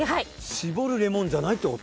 搾るレモンじゃないって事？